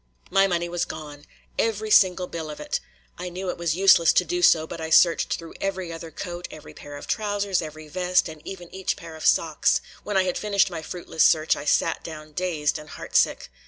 My money was gone! Every single bill of it. I knew it was useless to do so, but I searched through every other coat, every pair of trousers, every vest, and even each pair of socks. When I had finished my fruitless search, I sat down dazed and heartsick.